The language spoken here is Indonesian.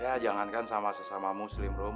ya jangankan sama sama muslim rum